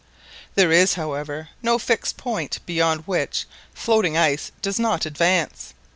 There is, however, no fixed point beyond which floating ice does not advance.